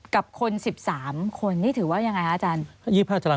กับคน๑๓คนนี่ถือว่ายังไงคะอาจารย์